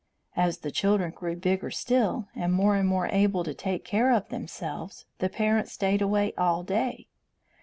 As the children grew bigger still, and more and more able to take care of themselves, the parents stayed away all day.